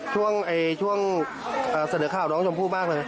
ช่วงเสนอข่าวน้องชมพู่มากเลย